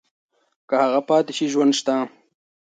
که هغه پاتې شي ژوند شته.